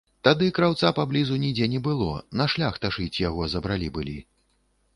Тады краўца поблізу нідзе не было, на шляхта шыць яго забралі былі.